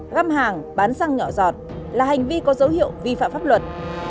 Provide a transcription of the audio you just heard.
găm hàng bán xăng nhỏ giọt là hành vi có dấu hiệu vi phạm pháp luật